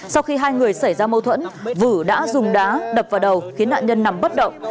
sau khi hai người xảy ra mâu thuẫn vự đã dùng đá đập vào đầu khiến nạn nhân nằm bất động